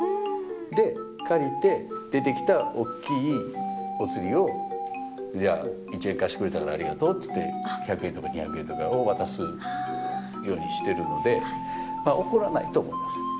で、借りて、出てきたおっきいお釣りをじゃあ、１円貸してくれたからありがとうっていって、１００円とか２００円とかを渡すようにしているので、怒らないと思う。